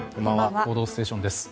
「報道ステーション」です。